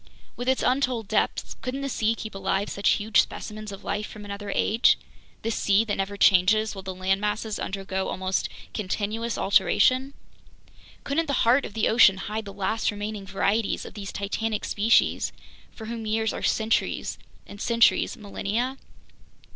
With its untold depths, couldn't the sea keep alive such huge specimens of life from another age, this sea that never changes while the land masses undergo almost continuous alteration? Couldn't the heart of the ocean hide the last remaining varieties of these titanic species, for whom years are centuries and centuries millennia?